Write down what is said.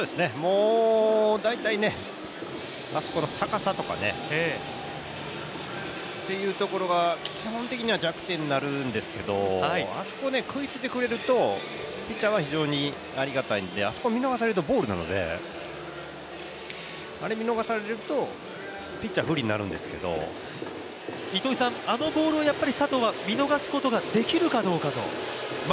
大体、あそこの高さとかというところが基本的には弱点になるんですけどあそこ食いついてくれるとピッチャーは非常にありがたいので、あそこは見逃されるとボールなので、あれを見逃されるとピッチャー不利になるんですけどあのボールを佐藤は見逃すことができるかどうかということなんですか？